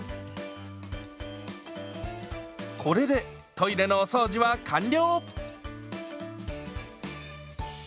これでトイレのお掃除は完了！